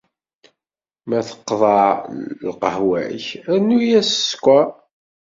Ma teqḍeɛ lqahwa-k, rnu-yas sskeṛ.